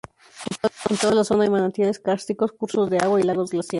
En toda la zona hay manantiales kársticos, cursos de agua y lagos glaciares.